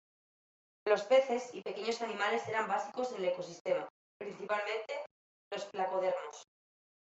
Los peces y pequeños animales eran básicos en el ecosistema, principalmente los placodermos.